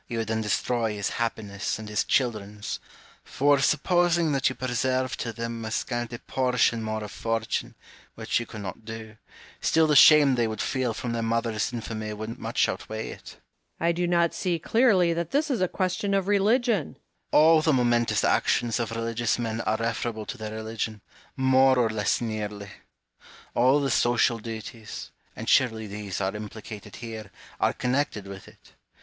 You would then destroy his happiness and his children's; for, supposing that you preserved to them a scanty portion more of fortune (which you could not do), still the shame they would feel from their mother's infamy would much outweigh it. Home. I do not see clearly that this is a question of religion. Hume. All the momentous actions of religious men are referable to their religion, more or less nearly ; all the social duties, and surely these are implicated here, are connected with it.